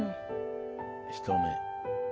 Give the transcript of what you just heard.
一目。